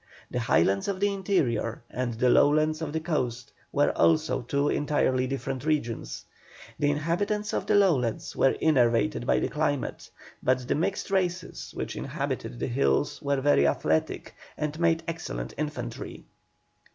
The highlands of the interior and the lowlands of the coast were also two entirely different regions. The inhabitants of the lowlands were enervated by the climate, but the mixed races which inhabited the hills were very athletic, and made excellent infantry.